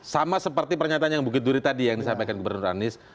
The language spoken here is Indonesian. sama seperti pernyataan yang bukit duri tadi yang disampaikan gubernur anies